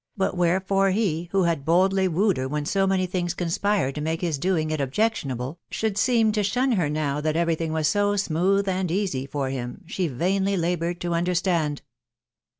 buttwherefore he, who had boldly wooed her when so many things conspired to make 'his doing it objectionable, should seem to shun her now that every thing, was made so amoodi and easy for him, she vainly laboured to understand.